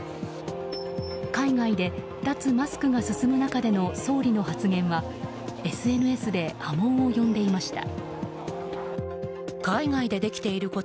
海外で脱マスクが進む中での総理の発言はＳＮＳで波紋を呼んでいました。